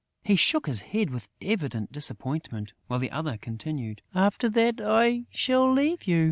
He shook his head, with evident disappointment, while the other continued: "After that, I shall leave you!"